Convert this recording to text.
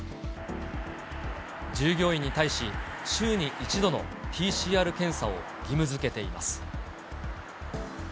従業員に対し、週に１度のＰＣＲ検査を義務づけています。